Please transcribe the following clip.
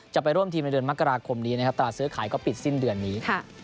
จะไปร่วมทีมในเดือนมกราคมนี้นะครับตราซื้อขายก็ปิดสิ้นเดือนนี้